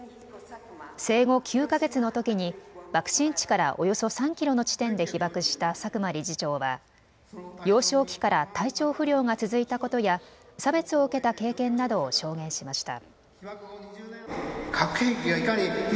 生後９か月のときに爆心地からおよそ３キロの地点で被爆した佐久間理事長は幼少期から体調不良が続いたことや差別を受けた経験などを証言しました。